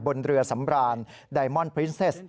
บนเรือสำรานไดมอนดพรินเซส